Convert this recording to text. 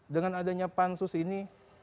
dengan adanya pansus ini